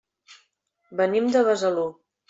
Venim de Besalú.